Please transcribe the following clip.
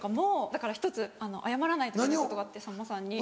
だから１つ謝らないといけないことがあってさんまさんに。